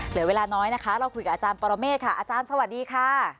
เหลือเวลาน้อยนะคะเราคุยกับอาจารย์ปรเมฆค่ะอาจารย์สวัสดีค่ะ